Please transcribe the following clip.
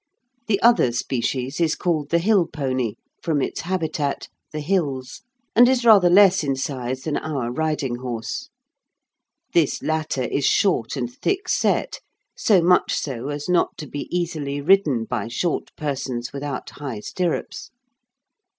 The other species is called the hill pony, from its habitat, the hills, and is rather less in size than our riding horse. This latter is short and thick set, so much so as not to be easily ridden by short persons without high stirrups.